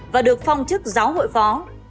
và được phong chức giáo hội phó